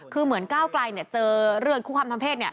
คือเหมือนก้าวไกลเจอเรื่องคุกคำทางเพศ